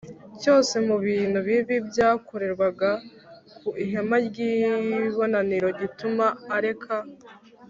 cyose mu bintu bibi byakorerwaga ku ihema ry ibonaniro gituma areka